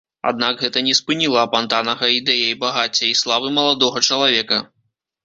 Аднак гэта не спыніла апантанага ідэяй багацця і славы маладога чалавека.